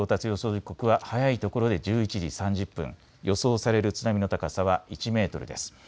時刻は早いところで１１時３０分、予想される津波の高さは１メートルです。